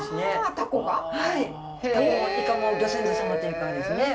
タコもイカもぎょ先祖様という感じですね。